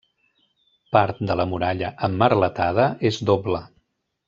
Part de la muralla emmerletada és doble.